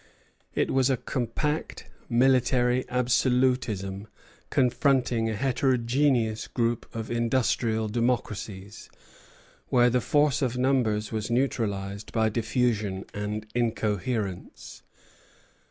It was a compact military absolutism confronting a heterogeneous group of industrial democracies, where the force of numbers was neutralized by diffusion and incoherence.